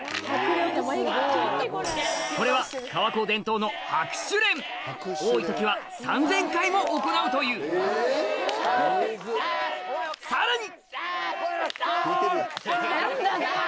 これは川高伝統の多い時は３０００回も行うというさらに！